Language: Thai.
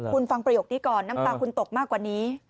คุณฟังประโยคนี้ก่อนน้ำตาคุณตกมากกว่านี้